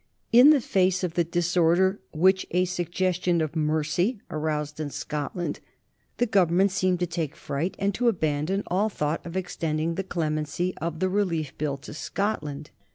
In the face of the disorder which a suggestion of mercy aroused in Scotland, the Government seemed to take fright, and to abandon all thought of extending the clemency of the Relief Bill to Scotland.